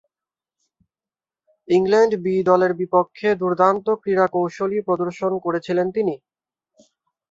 England B দলের বিপক্ষে দূর্দান্ত ক্রীড়াশৈলী প্রদর্শন করেছিলেন তিনি।